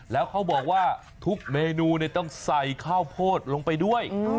แล้วเขาบอกว่าทุกเมนูต้องใส่ข้าวโพดลงไปด้วย